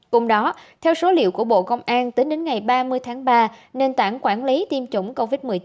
cùng đó theo số liệu của bộ công an tính đến ngày ba mươi tháng ba nền tảng quản lý tiêm chủng covid một mươi chín